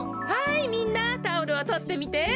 はいみんなタオルをとってみて。